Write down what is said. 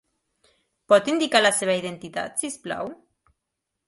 Pot indicar la seva identitat, si us plau?